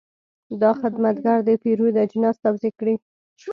دا خدمتګر د پیرود اجناس توضیح کړل.